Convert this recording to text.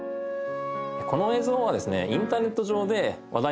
この映像はですね。